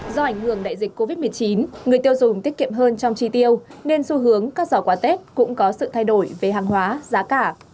do ảnh hưởng đại dịch covid một mươi chín người tiêu dùng tiết kiệm hơn trong chi tiêu nên xu hướng các giỏ quà tết cũng có sự thay đổi về hàng hóa giá cả